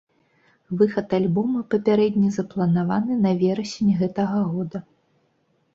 Выхад альбома папярэдне запланаваны на верасень гэтага года.